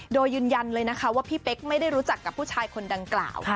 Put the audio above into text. โดยยืนยันเลยนะคะว่าพี่เป๊กไม่ได้รู้จักกับผู้ชายคนดังกล่าว